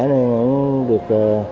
nên cũng được